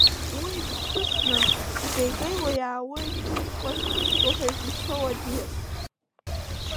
Уи иҭысны икеикеиуа иаауеит Аҽуацҭызго ҳәа изышьҭоу аӡиас.